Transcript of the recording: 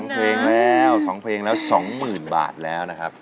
๒เพลงแล้ว๒เพลงแล้ว๒๐๐๐บาทแล้วนะครับ